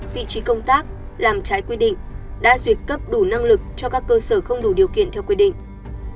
vị trí công tác làm trái quy định đã duyệt cấp đủ năng lực cho các cơ sở không đủ điều kiện theo quy định